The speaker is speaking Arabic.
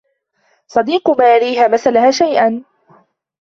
صَديقُ ماري هَمَسَ لَها شيئاً